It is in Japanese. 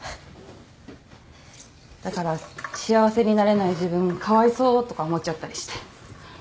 だから幸せになれない自分かわいそうとか思っちゃったりして。